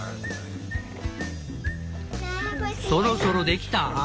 「そろそろできた？」。